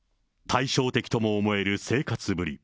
対照的とも思える生活ぶり。